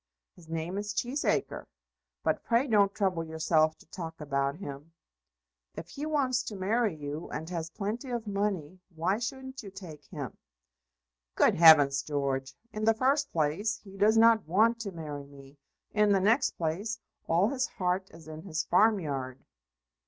"His name is Cheesacre. But pray don't trouble yourself to talk about him." "If he wants to marry you, and has plenty of money, why shouldn't you take him?" "Good heavens, George! In the first place he does not want to marry me. In the next place all his heart is in his farmyard."